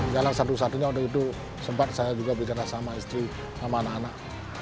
jalan satu satunya waktu itu sempat saya juga bicara sama istri sama anak anak